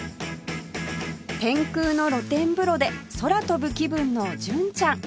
天空の露天風呂で空飛ぶ気分の純ちゃん